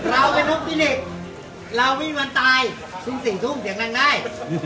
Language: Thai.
เราเป็นห้องที่นี่เราวิวันตายจูงสี่ถุ้มเสียงรังได้